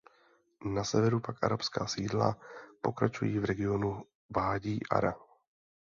Na severu pak arabská sídla pokračují v regionu Vádí Ara.